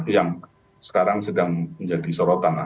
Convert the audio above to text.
yang sekarang sedang menjadi sorotan lah